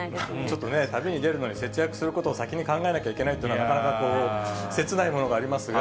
ちょっとね、旅に出るのに節約することを先に考えなきゃいけないっていうのは、なかなかこう、切ないものがありますが。